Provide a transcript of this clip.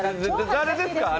誰ですか？